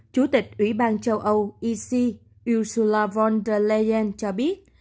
chủ tịch ủy ban châu âu ec ursula von der leyen cho biết